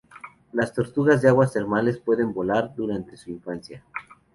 Las tortugas de aguas termales pueden volar durante su infancia.